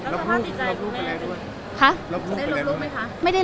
แล้วสภาพติดใจคุณแม่ด้วย